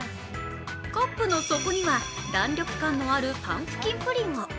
カップの底には、弾力感のあるパンプキンプリンを。